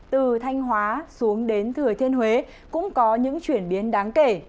từ thanh hóa xuống đến thừa thiên huế cũng có những chuyển biến đáng kể